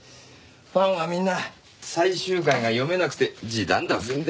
ファンはみんな最終回が読めなくて地団太踏んでるんだろうね。